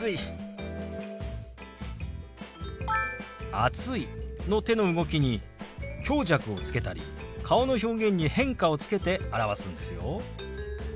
「暑い」の手の動きに強弱をつけたり顔の表現に変化をつけて表すんですよ。